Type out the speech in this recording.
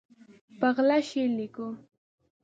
په غلا شعر لیکو